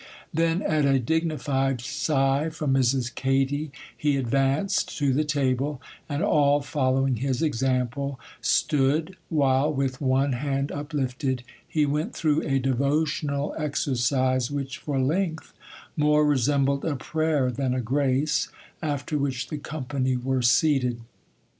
Then, at a dignified sigh from Mrs. Katy, he advanced to the table, and all following his example, stood, while, with one hand uplifted, he went through a devotional exercise which, for length, more resembled a prayer than a grace,—after which the company were seated.